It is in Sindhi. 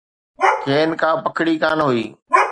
کين ڪا پڪڙي ڪانه هئي.